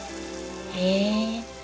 へえ！